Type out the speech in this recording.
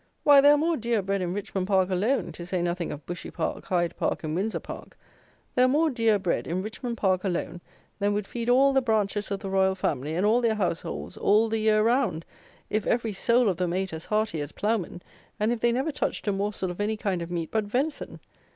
Why, there are more deer bred in Richmond Park alone, to say nothing of Bushy Park, Hyde Park, and Windsor Park; there are more deer bred in Richmond Park alone, than would feed all the branches of the Royal Family and all their households all the year round, if every soul of them ate as hearty as ploughmen, and if they never touched a morsel of any kind of meat but venison!